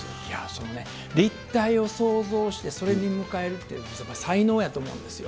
そうね、立体を想像して、それに向かえるって才能やと思うんですよ。